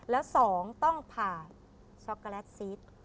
แล้ว๒ต้องผ่าช็อกโกแลตซีส